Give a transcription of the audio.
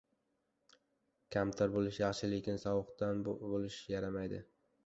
Kamtar bo‘lish yaxshi, lekin sovuqqon bo‘lish yaramaydi.